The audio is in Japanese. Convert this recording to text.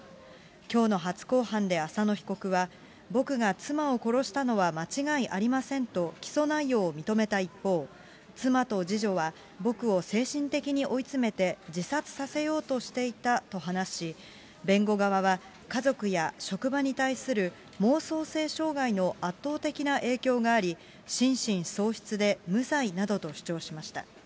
きょうの初公判で浅野被告は、僕が妻を殺したのは間違いありませんと起訴内容を認めた一方、妻と次女は僕を精神的に追い詰めて自殺させようとしていたと話し、弁護側は、家族や職場に対する妄想性障害の圧倒的な影響があり、心神喪失で無罪などと主張しました。